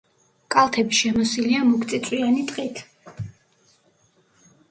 კალთები შემოსილია მუქწიწვიანი ტყით.